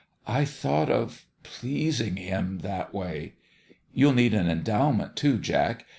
I thought of pleasing him that way. You'll need an endowment, too, Jack.